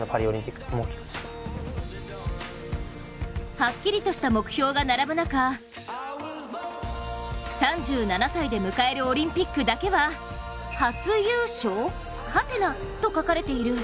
はっきりとした目標が並ぶ中、３７歳で迎えるオリンピックだけは「初優勝？」と書かれている。